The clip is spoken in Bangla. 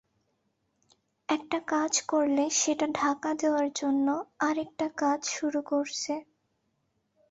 একটা কাজ করলে সেটা ঢাকা দেওয়ার জন্য আরেকটা কাজ শুরু করছে।